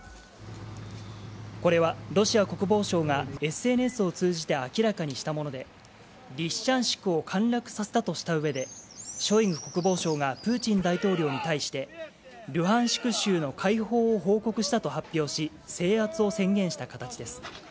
これはロシア国防省がＳＮＳを通じて明らかにしたもので、リシチャンシクを陥落させたとしたうえで、ショイグ国防相がプーチン大統領に対して、ルハンシク州の解放を報告したと発表し、制圧を宣言した形です。